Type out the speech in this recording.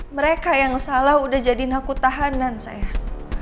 mereka yang salah udah jadiin aku tahanan saya